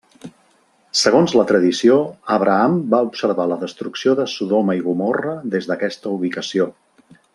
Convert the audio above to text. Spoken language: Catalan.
Segons la tradició, Abraham va observar la destrucció de Sodoma i Gomorra des d'aquesta ubicació.